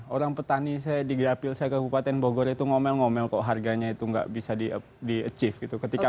orang petani saya di grapil saya ke bukatan bogor itu ngomel ngomel kok harganya itu nggak bisa di achieve gitu